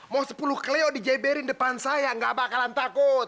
mau sepuluh cleo di jeberin depan saya nggak bakalan takut